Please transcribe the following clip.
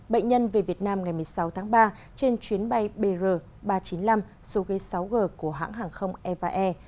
bệnh nhân về việt nam ngày một mươi sáu tháng ba trên chuyến bay br ba trăm chín mươi năm số ghế sáu g của hãng hàng không evae